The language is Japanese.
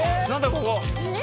ここ！